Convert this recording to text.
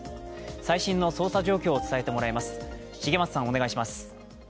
最新の捜査状況を伝えてもらいます。